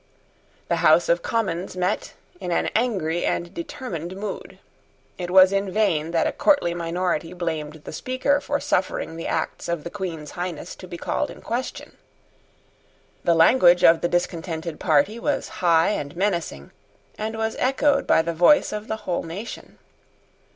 The House of Commons met in an angry and determined mood. It was in vain that a courtly minority blamed the Speaker for suffering the acts of the Queen's Highness to be called in question. The language of the discontented party was high and menacing, and was echoed by the voice of the whole nation.